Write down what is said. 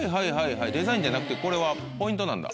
デザインじゃなくてこれはポイントなんだ。